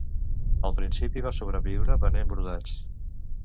Al principi va sobreviure venent brodats.